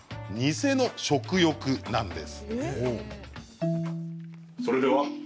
偽の食欲なんです。